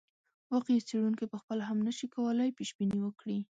واقعي څېړونکی پخپله هم نه شي کولای پیشبیني وکړي.